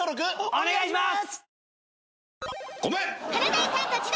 お願いします！